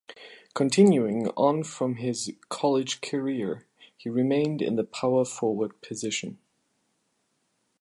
Continuing on from his college career, he remained in the power forward position.